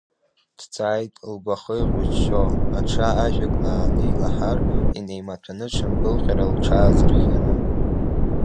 Дҵааит, лгәахы еиҟәыҷҷо, аҽа ажәак нааны илаҳар, инеимаҭәаны дшындәылҟьара лҽаазырхианы.